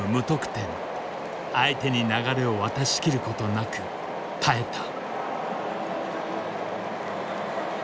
相手に流れを渡しきることなく耐えた。